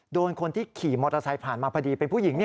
โดนคนที่ขี่มอเตอร์ไซค์ผ่านมาพอดีเป็นผู้หญิง